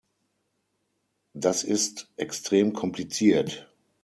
Das ist extrem kompliziert.